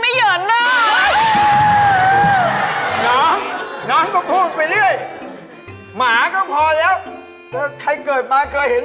ไม่ได้นี่ก็ไปไหนไม่ได้